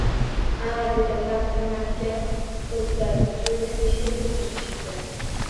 A-a, dedi Mak tamakiga qo`l uzatib, to`yni beshga ko`chirishibdi